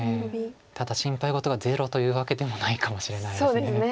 ただ心配事がゼロというわけでもないかもしれないです。